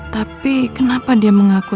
tapi kenapa dia mengaku